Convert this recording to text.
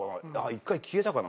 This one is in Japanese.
一回消えたかな？